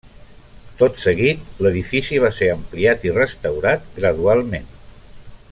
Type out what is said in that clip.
Tot seguit, l'edifici va ser ampliat i restaurat gradualment.